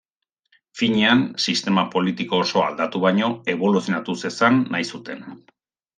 Finean, sistema politiko osoa aldatu baino, eboluzionatu zezan nahi zuten.